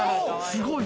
すごい！